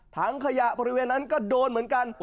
ถังขยะบริเวณนั้นก็โดนเหมือนกัน